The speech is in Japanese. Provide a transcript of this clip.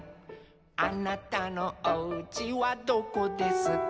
「あなたのおうちはどこですか」